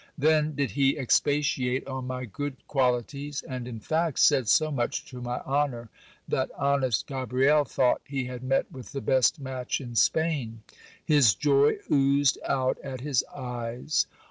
Then did he expatiate on my good qualities, and, in fact, said so much to my honour, that honest Gabriel thought he had met with the best match in Spain. His joy oo2ed out at his eyes.